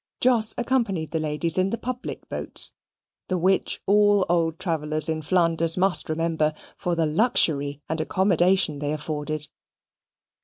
Jos accompanied the ladies in the public boats; the which all old travellers in Flanders must remember for the luxury and accommodation they afforded.